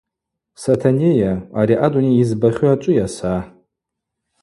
Сатанейа, ари адуней йызбахьу ачӏвыйа са?